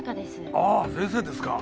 ああ先生ですか。